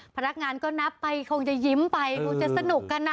พนักงานก็นับไปคงจะยิ้มไปคงจะสนุกกันอ่ะ